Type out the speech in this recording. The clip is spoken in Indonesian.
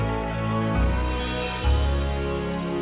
apa yang akan terjadi